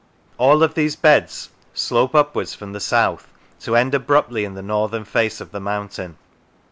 All of these beds slope upwards from the south to end abruptly in the northern face of the mountain.